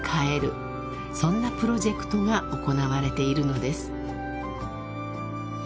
［そんなプロジェクトが行われているのです］